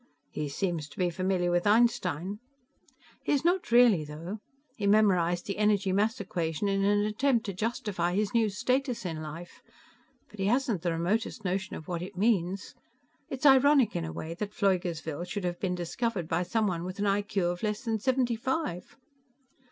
"He seems to be familiar with Einstein." "He's not really, though. He memorized the energy mass equation in an attempt to justify his new status in life, but he hasn't the remotest notion of what it means. It's ironic in a way that Pfleugersville should have been discovered by someone with an IQ of less than seventy five."